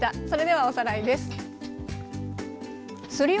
それではおさらいです。